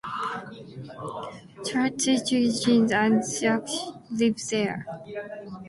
Chechens and Laks live there.